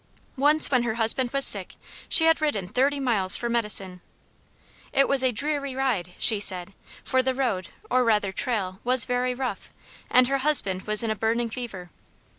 Once when her husband was sick, she had ridden thirty miles for medicine. It was a dreary ride, she said, for the road, or rather trail, was very rough, and her husband was in a burning fever.